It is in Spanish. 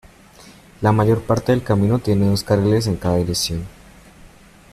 La mayor parte del camino tiene dos carriles en cada dirección.